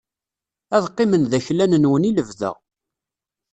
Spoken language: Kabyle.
Ad qqimen d aklan-nwen i lebda